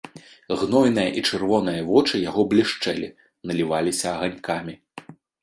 Гнойныя і чырвоныя вочы яго блішчэлі, наліваліся аганькамі.